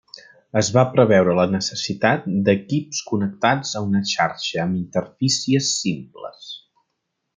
Es va preveure la necessitat d'equips connectats a una xarxa amb interfícies simples.